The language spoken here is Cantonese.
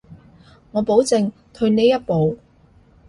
我保證退呢一步